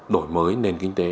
đổi mới nền kinh tế